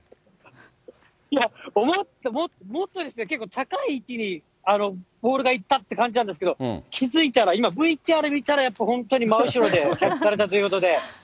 もっとですね、結構、高い位置にボールが行ったって感じたんですけど、気付いたら、今、ＶＴＲ見たら、本当に真後ろで、キャッチされたということで。